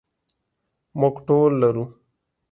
موږ ټول لرو.